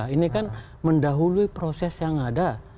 ini kan mendahului proses yang ada